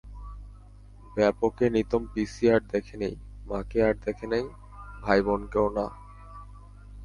ব্যাপকে নিতম পিসি আর দেখে নাই, মাকে আর দেখে নাই, ভাই-বোনকেও না।